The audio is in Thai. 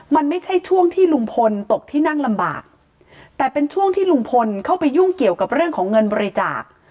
มันไม่ใช่ช่วงที่ลุงพลตกที่นั่งลำบากแต่เป็นช่วงที่ลุงพลเข้าไปยุ่งเกี่ยวกับเรื่องของเงินบริจาค